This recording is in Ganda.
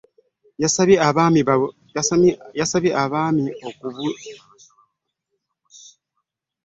Yasabye abaami okulwanyisa amawulire amakyamu agabungeesebwa ku nteekateeka z'obwakabaka.